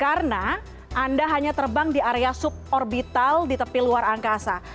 karena anda hanya terbang di area suborbital di tepi luar angkasa